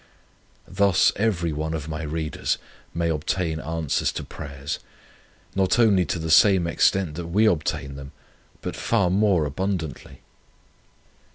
Thus everyone of my readers may obtain answers to prayers, not only to the same extent that we obtain them, but far more abundantly.